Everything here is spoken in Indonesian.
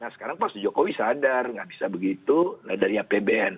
nah sekarang pak jokowi sadar nggak bisa begitu dari apbn